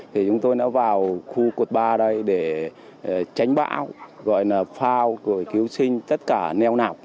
thì chúng tôi đã vào khu cột ba đây để tránh bão gọi là phao rồi cứu sinh tất cả neo nạc